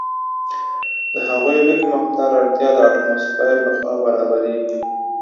د هغوی لږ مقدار اړتیا د اټموسفیر لخوا برابریږي.